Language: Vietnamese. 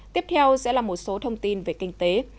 tiếp theo sẽ là một số thông tin về kinh tế